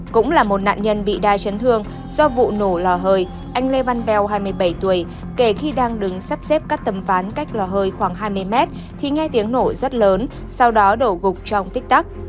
cũng là một nạn nhân bị đa chấn thương do vụ nổ lò hơi anh lê văn bèo hai mươi bảy tuổi kể khi đang đứng sắp xếp các tầm ván cách lò hơi khoảng hai mươi mét thì nghe tiếng nổ rất lớn sau đó đổ gục trong tích tắc